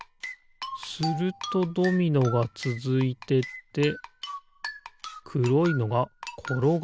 するとドミノがつづいてってくろいのがころがるのかな。